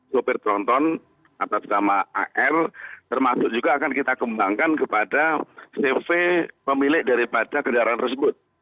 sopir tronton atas nama ar termasuk juga akan kita kembangkan kepada cv pemilik daripada kendaraan tersebut